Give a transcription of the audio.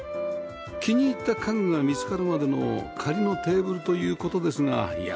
気に入った家具が見つかるまでの仮のテーブルという事ですがいや